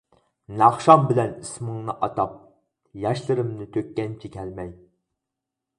ناخشام بىلەن ئىسمىڭنى ئاتاپ، ياشلىرىمنى تۆككەنچە كەلمەي.